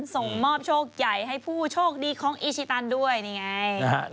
ส่งมอบโชคใหญ่ให้ผู้โชคดีของอีชิตันด้วยนี่ไง